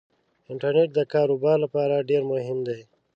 انټرنيټ دکار وبار لپاره ډیرمهم دی